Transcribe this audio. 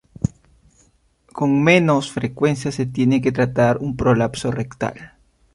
Con menos frecuencia se tiene que tratar un prolapso rectal.